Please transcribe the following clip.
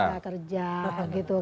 nah kerja gitu kan